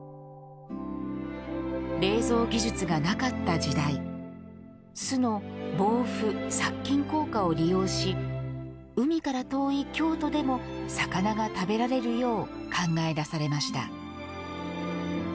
冷蔵技術がなかった時代酢の防腐・殺菌効果を利用し海から遠い京都でも魚が食べられるよう考え出されました。